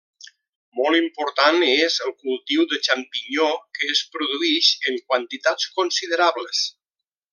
Molt important és el cultiu de xampinyó que es produïx en quantitats considerables.